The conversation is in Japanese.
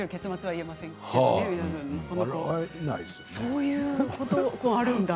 そういうこともあるんだ。